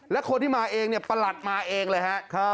และคนที่มาเองเนี่ยประหลัดมาเองเลยฮะ